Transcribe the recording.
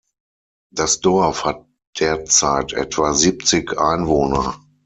Das Dorf hat derzeit etwa siebzig Einwohner.